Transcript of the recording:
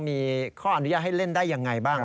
มีข้ออนุญาตให้เล่นได้ยังไงบ้าง